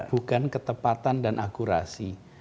bukan ketepatan dan akurasi